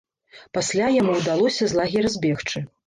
Пасля яму ўдалося з лагера збегчы.